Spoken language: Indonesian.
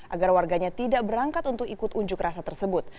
agar warganya tidak berangkat untuk ikut unjuk rasa tersebut